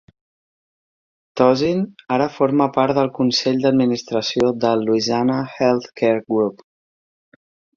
Tauzin ara forma part del consell d'administració del Louisiana Healthcare Group.